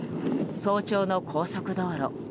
早朝の高速道路。